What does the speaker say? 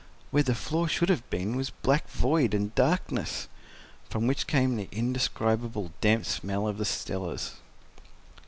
Where the floor should have been was black void and darkness, from which came the indescribable, damp smell of the cellars.